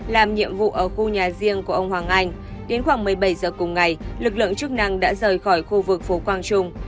làm nhiệm vụ ở khu nhà riêng của ông hoàng anh đến khoảng một mươi bảy giờ cùng ngày lực lượng chức năng đã rời khỏi khu vực phố quang trung